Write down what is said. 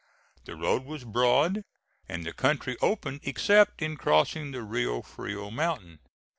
The road was broad and the country open except in crossing the Rio Frio mountain.